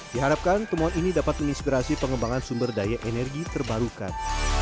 diharapkan temuan ini dapat menginspirasi pengembangan sumber daya energi terbarukan